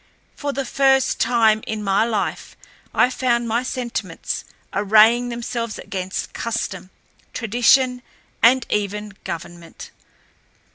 For the first time in my life I found my sentiments arraying themselves against custom, tradition, and even government.